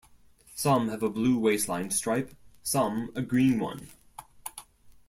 Some have a blue waistline stripe, some a green one.